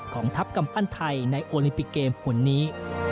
ทัพกำปั้นไทยในโอลิมปิกเกมคนนี้